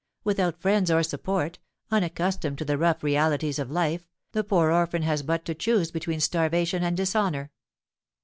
Without friends or support, unaccustomed to the rough realities of life, the poor orphan has but to choose between starvation and dishonour.